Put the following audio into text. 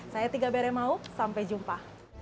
saya tiga bere mau sampai jumpa